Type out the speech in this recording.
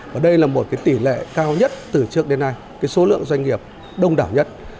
và đây là một tỷ lệ cao nhất từ trước đến nay số lượng doanh nghiệp đông đảo nhất